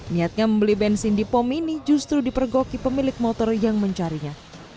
niatnya membeli bensin di pom ini justru dipergoki pemilik motor yang mencarinya